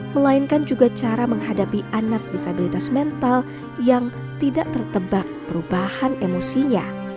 melainkan juga cara menghadapi anak disabilitas mental yang tidak tertebak perubahan emosinya